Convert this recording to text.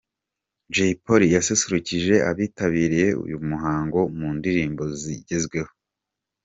Jay Polly yasusurikije abitabiriye uyu muhango mu ndirimboze zigezweho.